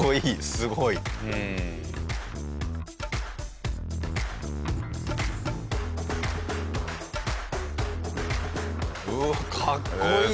すごい。うわかっこいい！